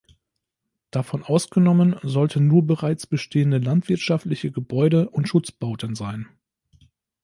Davon ausgenommen sollten nur bereits bestehende landwirtschaftliche Gebäude und Schutzbauten sein.